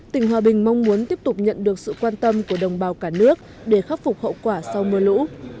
tỉnh hòa bình mong muốn tiếp tục nhận được sự quan tâm của đồng bào cả nước để khắc phục hậu quả sau mưa lũ